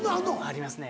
ありますね。